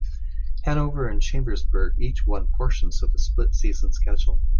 Hanover and Chambersburg each won portions of the split season schedule.